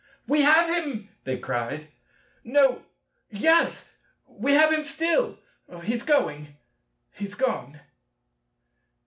"We have him," they cried; "No; yes; we have him still! he's going! he's gone!"